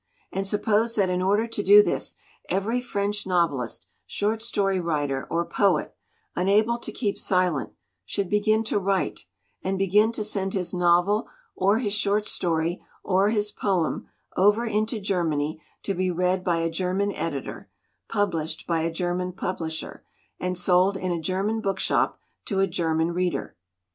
And suppose that in order to do this every French novelist, short story writer, or poet, unable to keep silent, should begin to write and begin to send his novel or his short story or his poem over into Germany to be read by a German editor, published by a Ger man publisher, and sold in a German bookshop to a German reader.